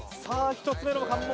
１つ目の関門